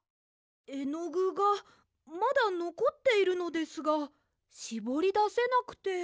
えのぐがまだのこっているのですがしぼりだせなくて。